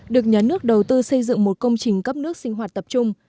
được nhà nước đầu tư xây dựng một công trình cấp nước sinh hoạt tập trung